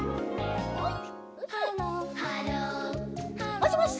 もしもし？